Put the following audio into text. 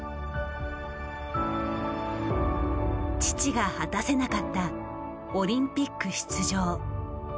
父が果たせなかったオリンピック出場。